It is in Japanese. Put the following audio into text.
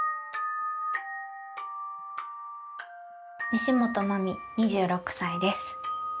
西本茉美２６歳です。